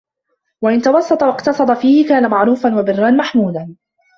وَإِنْ تَوَسَّطَ وَاقْتَصَدَ فِيهِ كَانَ مَعْرُوفًا وَبِرًّا مَحْمُودًا